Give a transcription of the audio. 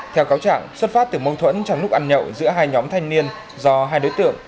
theo cáo trạng xuất phát từ mâu thuẫn trong lúc ăn nhậu giữa hai nhóm thanh niên do hai đối tượng